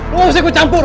lo gak usah gue campur